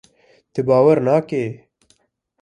Tu bawer neke!